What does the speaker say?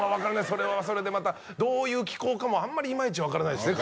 それはそれでどういう気候かもあんまりイマイチ分からないですね